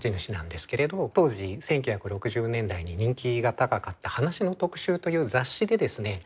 当時１９６０年代に人気が高かった「話の特集」という雑誌でですね